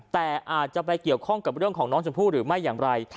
แต่อาจจะไปเกี่ยวข้องกับเรื่องของน้องชมพู่หรือไม่อย่างไร